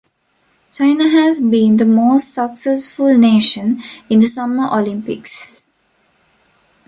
China has been the most successful nation in the Summer Olympics.